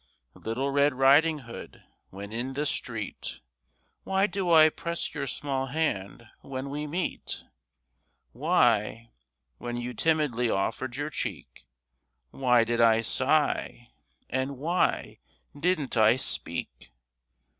Little Red Riding Hood, when in the street, Why do I press your small hand when we meet? Why, when you timidly offered your cheek, Why did I sigh, and why didn't I speak?